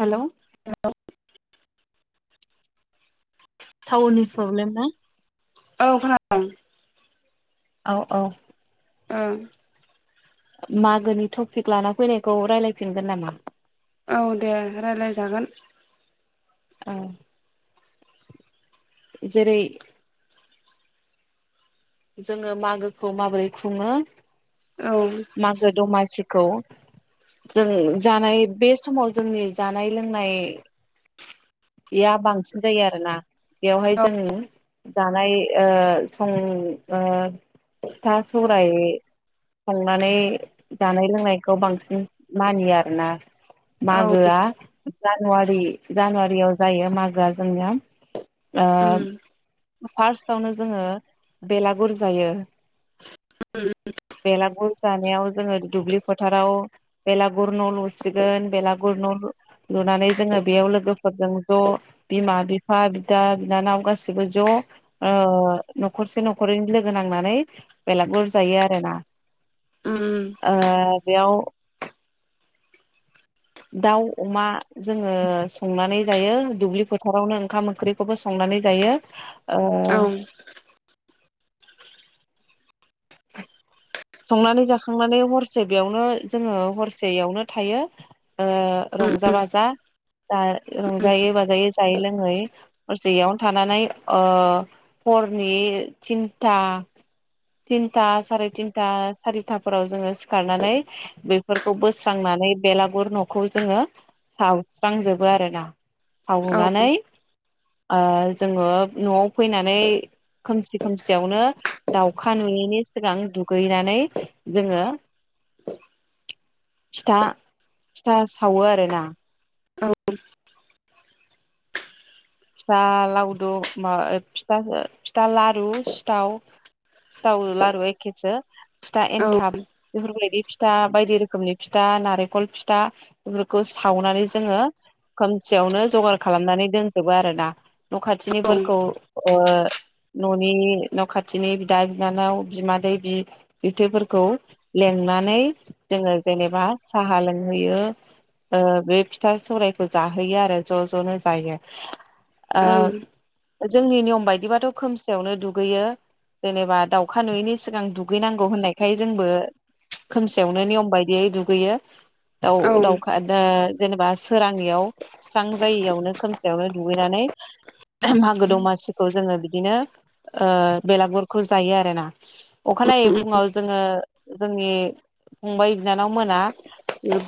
Hello थावरनि problem नाया औ खोनादों औ - औ ओं मागोनि टपिक लाना फैनायखौ रायज्लायफिनगोन नामा? औ दे रायलाय जागोन औ जेरै जोङो मागोखौ माबोरै खुङो औ मागो दमासि जों जानाय बे समाव जोंनि जानाय लोंनाय या बांसिन जायो आरोना बेवहाय औ जों जानाय ओ सं ओ फिथा सौराय थांनानै जानाय लोंनायखौ बांसिन मानियो आरोना औ मागोआ जानुवारि जानुवा याव जायो मागोआ जोंना ओ उम फार्स्टावनो जोङो बेलागुर जायो उम बेलागुर जानायाव जोङो दुब्लि फोथाराव बेलागुर न' लुसिगोन बेलागुर न' लुनानै जोङो बेयाव लोगो फोरजों ज' बिमा बिफा बिदा बिनानाव गासैबो ज' न'खरसे न'खरनै लोगो नांनानै बेलागगुर जायो आरोना उम ओ बेयाव दाउ अमा जोङो संनानै जायो दुब्लि फोथारावनो ओंखाम ओंख्रिखौबो संनानै जायो ओ औ संनानै जाखांनानै हरसे बेयावनो जोङो हरसेयावनो थायो ओ उम रंजा उम बाजा ओ रंजायै बाजायै जायै लोङै हरसे एयावनो थानानै ओ हरनि थिनथा दिन्दां साराय तिनथा सारिथा सारिथाफोराव जोङो सिखारनानै बेफोरखौ बोस्रांनानै बेलागुर न'खौ जोङो सावस्रांजोबो आरोना औ सावनानै ओ जोङो न'आव फैनानै खोमसि खोमसियावनो दाउखा नुयैनि सिगां दु गैनानै जोङो फिथा फिथा सावो आरोना औ फिथा लावदु मा ओ फिथा लारु सिथाव सिथाव लारु एखेसो फिथा औ एन्थाब बेफोरबायदि फिथा बायदि रोखोमनि फिथा नारेंखल फिथा बेफोरखौ सावनानै जोङो खोमसेयावनो जगार खालामनानै दोन जोबो आरोना न' ओं खाथिनिफोरखौ ओ न'नि न' खाथिनि बिदा बिनानाव बिमादैै बि बिबथैफोरखौ लेंनानै जोङो जेनेबा साहा लोंहोयो ओ बे फिथा सौरायखौ जाहोयो आरो ज' ज'नो जायो। [inaudible] औ ओ जोंनि नियम बायदिबाथ' खोमसियावनो दुगैयो जेनेबा दाउखा नुयैनि सिगां दुगैनांगौ होननायखाय जोंबो खोमसियावनो नियम बायदियै दुगैयो दाउ औ ओं दाउखा जेनेबा सोराङैयाव स्रां जायियावनो खोमसि आवनो दुगैनानै मागो दंमासिखौ जोङो बिदिनो ओ बेलागुरखौ जायो आरोना, अखानायै औ उम फुङाव जोङो जोंनि फंबाय बिनानाव मोना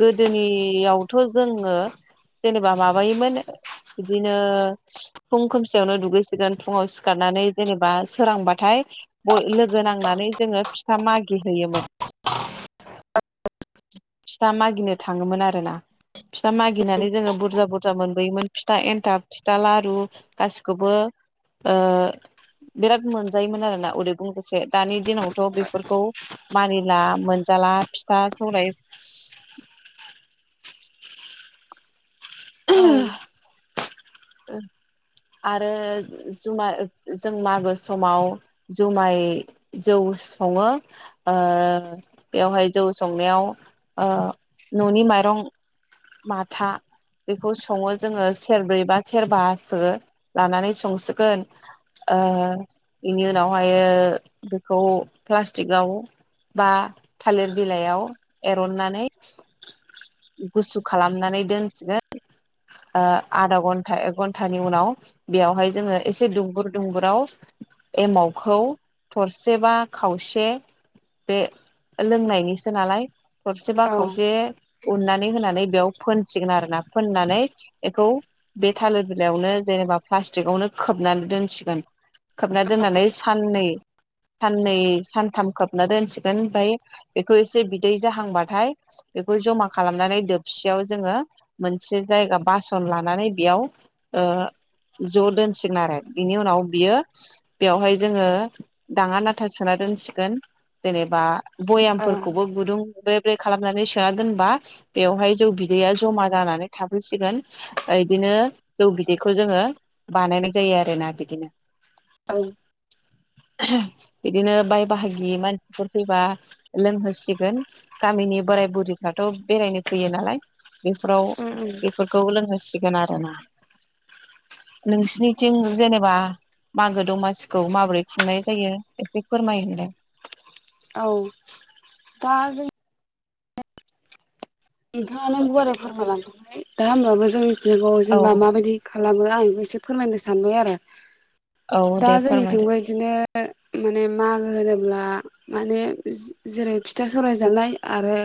गोदोनियावथ' जोङो जेनेबा माबायोमोन बिदिनो फुं खोमसियावनो दुगैसिगोन फुङाव सिखारनानै जेनेबा सोरांबाथाय लोगो नांनानै जोङो फिथा मागिहैयोमोन, फिथा मागिनो थाङोमोन आरोना फिथा मागिनानै जोङो बुरजा बुरजा मोनबोयोमोन फिथा एन्थाब, फिथा लारु गासिखौबो ओ बिराद मोनजायोमोन आरोना उदै बुंजासे दानि दिनावथ' बेफोरखौ मानिला मोनजाला फिथा सौराइ ओम आरो जुमाय जों मागो समाव जुमाय जौ सङो ओ बेवहाय जौ संनायाव ओ न'नि माइरं माथा बेखौ सङो जोङो सेरब्रै बा सेरबासो लानानै संसिगोन ओ बेनि उनावहाय बेखौ प्लास्टिकआव बा थालिर बिलाइयाव एरननानै गुसु खालामनानै दोनसिगोन ओ आधा घन्टा एक घन्टानि उनाव बेयावहाय जोङो एसे दुंबुर दुंबुराव एमावखौ थरसे बा खावसे बे लोंनायनिसो नालाय थरसे बा उम खावसे उननानै होनानै बेयाव फोनसिगोन आरोना फोननानै बेखौ बे थालिर बिलाइयावनो जेनेबा प्लास्टिकआवनो खोबनानै दोनसिगोन खोबना दोननानै साननै साननै सानथाम खोबना दोनसिगोन ओमफ्राय बेखौ एसे बिदै जाहांबाथाय बेखौ जमा खालामनानै दोबसियाव जोङो मोनसे जायगा बासन लानानै बेयाव ओ ज' दोनसिगोन आरो बिनि उनाव बियो बेवहाय जोङो दाङा नाथा सोना दोनसिगोन जेनेबा औ भयामफोरखौबो गुदुं स्प्रे खालामनानै सोना दोनबा बेवहाय जौ बिदैया जमा जानानै थाफैसिगोन इदिनो जौ बिदैखौ जोङो बानायनाय जायो आरोना बिदिनो औ बिदिनो बाय बाहागि मानसिफोर फैबा लोंहोसिगोन गामिनि बोराय बुरैफ्राथ' बेरायनो फैयो नालाय बे उ उम लोंहोसिगोन आरोना नोंसिनिथिं जेनेबा मागो दमासिखौ माबोरै खुंनाय जायो एसे फोरमायहरदो औ दा जों नोंथाङानो गुवारै फोरमायलांखाबाय दा होमबाबो जों जग औ जेनेबा माबायदि खालामो दा आं एसे फोरमायनो सानबाय आरो औ दा दे फोरमायदो जोंनिथिंबो इदिनो माने मागो होनोब्ला माने जे जेरै फिथा सौराइ जानाय आरो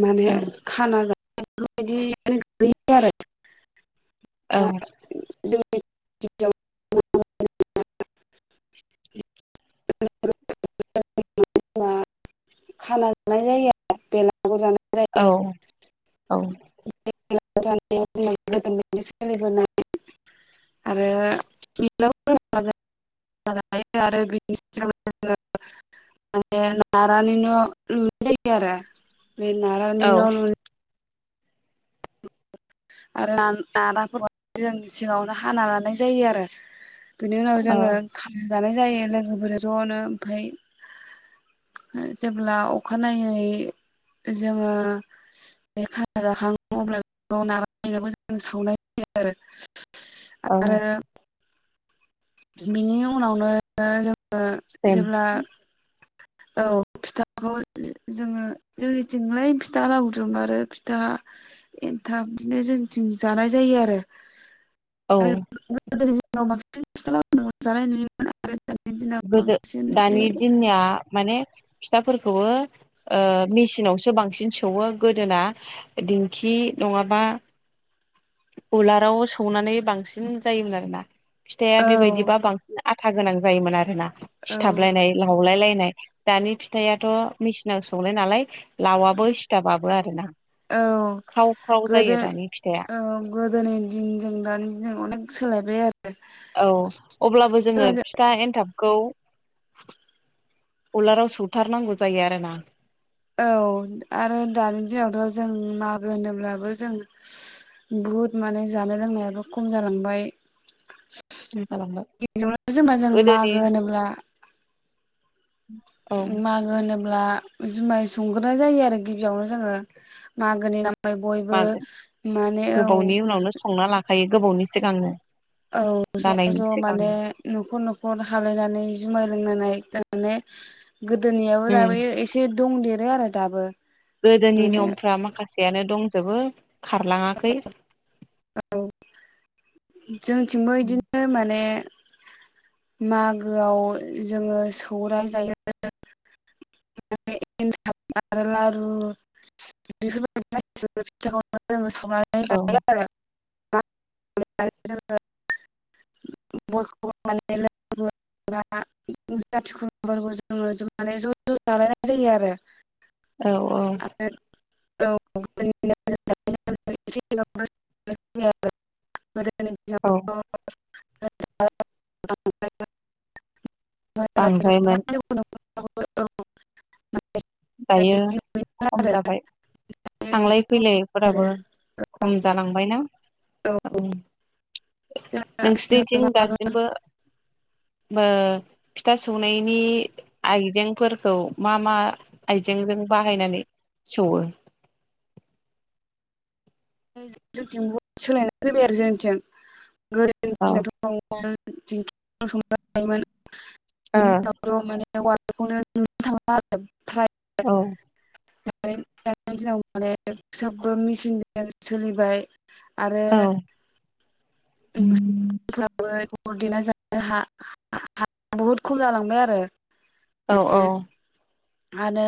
माने औ खाना जा [unintelligible] औ दा जोंनि खाना जानाय जायो आरो बेलागुर जानाय द [unintelligible] औ औ बेलागुर जानाया जोंना गोदोनिफ्रायनो सोलिबोनाय आरो माने नारानि न' लुनाय जायो आरो बे नारानि औ न' लु आरो नाराफोरा जोंनि सिङावनो हाना लानाय जायो आरो बिनि उनाव औ जोङो ख- जानाय जायो लोगोफोर जनो ओमफाय ओ जेब्ला अखानायनायै जोङो बे खाना जाखाङो अब्ला बेखौ नागार बेलागुरखौ जों सावनाय जायो आरो औ आरो बिनि उनावनो जों ओ सेम जेब्ला औ फिथाखौ जो जोङो जोंनिथिंलाय फिथा लाउदुम आरो फिथा एनथाब बिदिनो जोंनिथिं जानाय जायो आरो औ आरो गोदोनि दिनाव बांसिन‌ फिथा लाउदुमखौनो जानाय नुयोमोन आरो दानि दिनाव गोदो बांसिन बे दानि दिननिया माने फिथाफोरखौबो ओ मेसिनावसो बांसिन सौवो गोदोना दिंखि नङाबा उलाराव सौनानै बांसिन जायोमोन आरोना फिथाया औ बेबायदिबा बांसिन आथा गोनां जायोमोन आरो- ना औ सिथाबलायनाय लावलाय लायनाय नाय दानि फिथायाथ' मेसिनाव सौनाय नालाय लावाबो सिथाबाबो आरो ना औ गोदो दानि फिथाइया औ गोदोनि दिनजों दानि दिनजों अनेक सोलायबाय आरो औ अब्लाबो जोङो फिथा एनथाब खौ [inaudible] उलाराव सुथारनांगौ जायो आरोना औ आरो दानि दिनावथ जों मागो होनोब्लाबो जों बहुद माने जानाय लोंनायाबो खम जालांबाय जालांबाय ग जेनेबा जों गोदोनि मागो होनोब्ला औ मागो होनोब्ला जुमाय संग्रोनाय जायो आरो गिबियावनो जोङो मागोनि नाम ओमफ्राय बयबो मागो माने औ गोबावनि उनावनो संना लाखायो गोबावनि सिगांनो औ ज जानायनि ज माने सिगांनो नखर नखर हालायनानै जुमाय लोंनानै गोदोनियाबो उम दाबो एसे दंदेरो आरो दाबो गोदोनि माने नियमफ्रा माखासे फिसायानो दंजोबो खारलाङाखै औ जोंथिंबो इदिनो माने मागोआव जोङो सौराय जायो आरो लारु बेफोरबायदि औ लारु फिथा संनानै जायो आरो [unintelligible] ज जालायनाय जायो आरो औ औ [unintelligible] गोदोनि दिनावथ औ बांद्रायमोन [unintelligible] [unintelligible] औ दायो खम आरो जाबाय थांलाय एसे खम आरो फैलायफोराबो औ खम जालांबायना औ जोंहा नोंसिनिथिं जों दासिमबो ओ फिथा सौनायनि आइजेंफोरखौ मा मा आइजेंजों बाहायनानै सौवो जोंथिं बुहुद सोलायनानै फैबाय आरो जोंनिथिं गोदोनि औ दिनावथ [unintelligible] थायोमोन ओ [unintelligible] माने उवालखौनो मोननो थांला आरो फ्राय औ दानि दानि दिनाव माने सबबो मिचनजों सोलिबाय आरो औ [unintelligible] [unintelligible] बहुद खम जालांबाय आरो औ औ आरो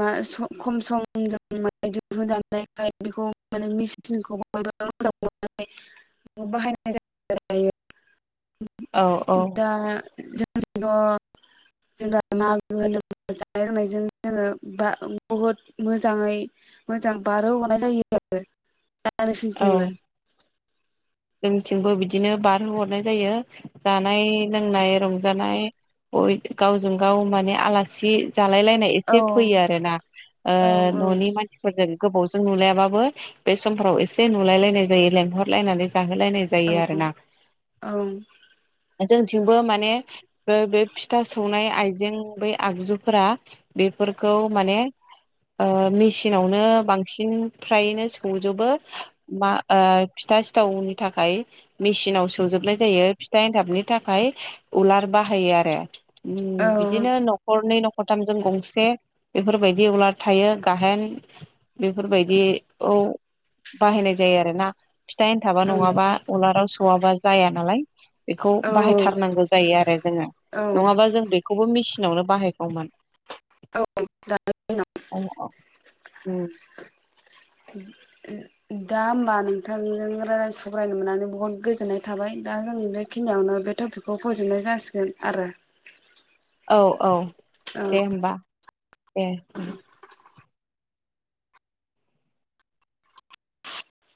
मा सम खम समजों माने दिहुनजाखाय बेखौ माने मेचिनखौ बयबो मोजां मोननानै बाहायनाय जायो आरो दायो औ औ दा [unintelligible] मागो जानाय लोंनायजों जोङो बहुद मोजाङै मोजां बारहोहरनाय जायो आरो दा नोंसिनिथिंलाय जोंनिथिंबो बिदिनो बारहोहरनाय जायो जानाय लोंनाय रंजानाय गावजों गाव माने आलासि जालाय लायनाय औ एसे फैयो आरो ना ओ न'नि मानसिफोरजों गोबावजों नुलायाबाबो बे समफोराव एसे नुलायलायनाय जायो लेंहरलायनानै जाहोलायनाय जायो आरोना औ जोंनिथिंबो माने बे फिथा सौनाय आइजें बै आगजुफोरा बेफोरखौ माने ओ मिचिंआवनो बांसिन फ्रायनो सौजोबो मा ओ फिथा सौ सिथावनि थाखाय मेसिनाव सोजोबनाय जायो फिथा एन्थाबनि थाखाय उलार बाहायो आरो ओम औ बिदिनो न'खरनि न नखरथामजों गंसे बेफोरबायदि उलार थायो गाहेन बेफोरबायदि औ बाहायनाय जायो आरोना एनथाबा नङाबा उलार [unintelligible] जाया नालाय बेखौ औ बाहायथारनांगौ जायो आरो जोङो औ नङाबा जों बेखौबो मि उनावनो बाहायगौमोन औ दा ओम दा होमबा नोंथांजों राय सावरायनो मोननानै बहुत गोजोननाय थाबाय दा जोंनि बेखिनियावनो बे टपिकखौ फोजोबनाय जासिगोन आरो औ औ औ दे होमबा ए दे